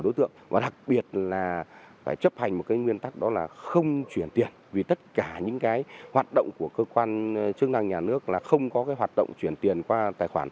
đối tượng và đặc biệt là phải chấp hành một cái nguyên tắc đó là không chuyển tiền vì tất cả những cái hoạt động của cơ quan chức năng nhà nước là không có cái hoạt động chuyển tiền qua tài khoản